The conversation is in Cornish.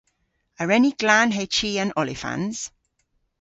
A wren ni glanhe chi an olifans?